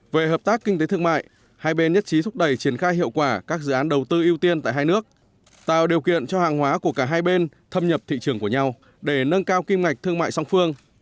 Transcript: về hợp tác kinh tế thương mại hai bên nhất trí thúc đẩy triển khai hiệu quả các dự án đầu tư ưu tiên tại hai nước tạo điều kiện cho hàng hóa của cả hai bên thâm nhập thị trường của nhau để nâng cao kim ngạch thương mại song phương